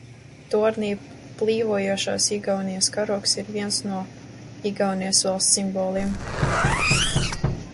Tornī plīvojošais Igaunijas karogs ir viens no Igaunijas valsts simboliem.